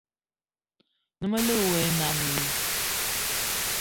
Na melig wa e nnam i?